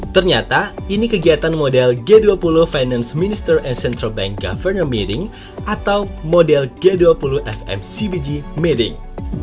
ternyata ini kegiatan model g dua puluh finance minister central bank governor meeting atau model g dua puluh fmcbg meeting